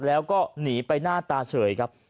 แล้วก็หนีไปหน้าตาเฉยครับ